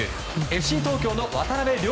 ＦＣ東京の渡邊凌